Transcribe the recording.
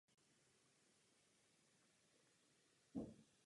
Příkladem satelitního města může být Jesenice u Prahy.